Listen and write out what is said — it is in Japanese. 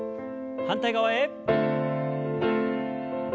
反対側へ。